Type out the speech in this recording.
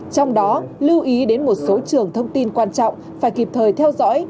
trong đó lưu ý đến một số trường thông tin quan trọng phải kịp thời theo dõi